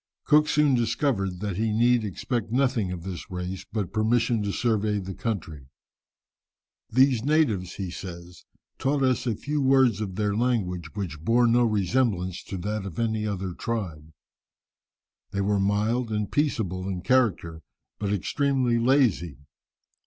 Cook soon discovered that he need expect nothing of this race but permission to survey the country. "These natives," he says, "taught us a few words of their language, which bore no resemblance to that of any other tribe. They were mild and peaceable in character, but extremely lazy.